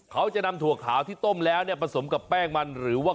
เขาจะนำถั่วขาวที่ต้มแล้วเนี่ยผสมกับแป้งมันหรือว่า